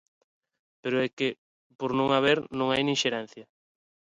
Pero é que por non haber non hai nin Xerencia.